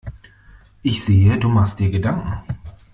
Ich sehe, du machst dir Gedanken.